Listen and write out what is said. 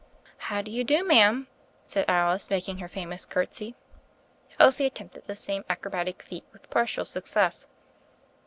"How do you do, ma'am?" said Alice, mak ing her famous curtsy. Elsie attempted the same acrobatic feat with partial success.